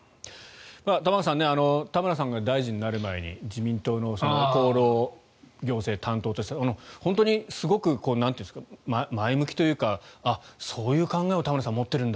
玉川さん田村さんが大臣になる前に自民党の厚労行政担当としてすごく前向きというかあ、そういう考えを田村さんは持ってるんだ